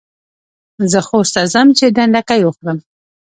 زه خوست ته ځم چي ډنډکۍ وخورم.